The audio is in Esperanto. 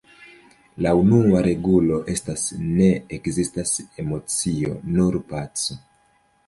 La unua regulo estas: "Ne ekzistas emocio; nur paco".